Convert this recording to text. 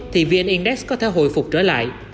thì vn index có thể hồi phục trở lại